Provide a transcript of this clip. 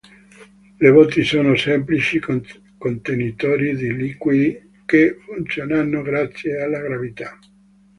Le botti sono semplici contenitori di liquidi, che funzionano grazie alla gravità.